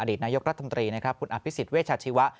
อดีตนายกรัฐธรรมตรีนะครับคุณอภิสิทธิ์เวชชาชีวะ